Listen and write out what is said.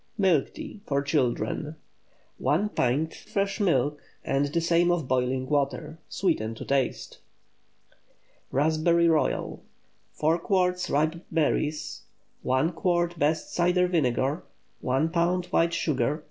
MILK TEA (FOR CHILDREN.) 1 pint fresh milk and the same of boiling water. Sweeten to taste. RASPBERRY ROYAL. ✠ 4 quarts ripe berries. 1 quart best cider vinegar. 1 lb. white sugar.